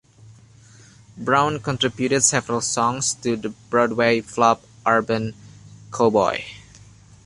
Brown contributed several songs to the Broadway flop "Urban Cowboy".